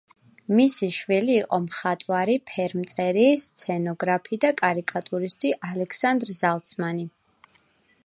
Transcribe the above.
მისი შვილი იყო მხატვარი, ფერმწერი, სცენოგრაფი და კარიკატურისტი ალექსანდრ ზალცმანი.